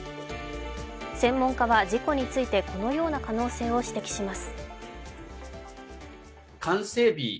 専門家は事故についてこのような可能性を指摘します。